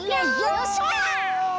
よっしゃ！